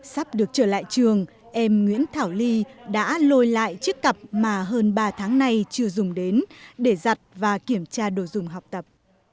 sắp được trở lại trường em nguyễn thảo ly đã lôi lại chiếc cặp mà hơn ba tháng nay chưa dùng đến để giặt và kiểm tra đồ dùng học tập